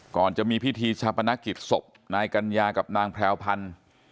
ก่อนจะมีพิธีชาปนกิจศพนายกัญญากับนางแพรวพันธ์